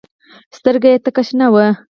سترګه يې تکه شنه وه.